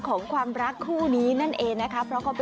โอ้โฮโอ้โฮโอ้โฮ